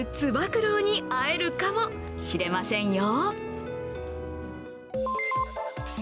九郎に会えるかもしれませんよ。